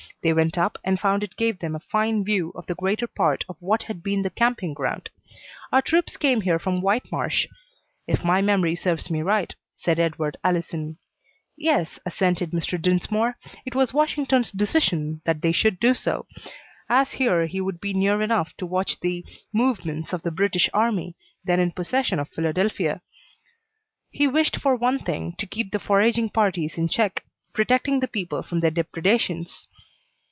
They went up, and found it gave them a fine view of the greater part of what had been the camping ground. "Our troops came here from Whitemarsh, if my memory serves me right," said Edward Allison. "Yes," assented Mr. Dinsmore. "It was Washington's decision that they should do so, as here he would be near enough to watch the movements of the British army, then in possession of Philadelphia. He wished, for one thing, to keep the foraging parties in check, protecting the people from their depredations."